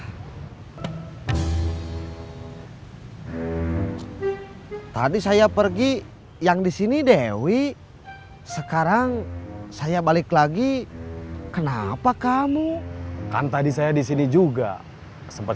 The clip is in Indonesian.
hai tadi saya pergi yang disini dewi sekarang saya balik lagi kenapa kamu kan tadi saya disini juga sempat